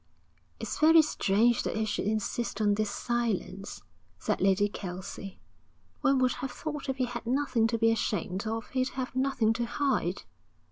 'It's very strange that he should insist on this silence,' said Lady Kelsey. 'One would have thought if he had nothing to be ashamed of, he'd have nothing to hide.'